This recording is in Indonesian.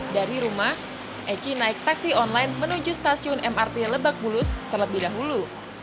dari rumah eci naik taksi online menuju stasiun mrt lebak bulus terlebih dahulu